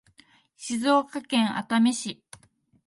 静岡県熱海市